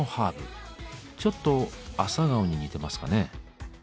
ちょっとアサガオに似てますかね。